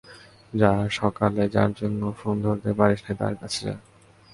যা, সকালে যার জন্য ফোন ধরতে পারিস নাই, তার কাছে যা।